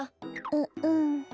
ううん。